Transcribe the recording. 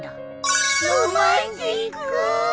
ロマンチックー！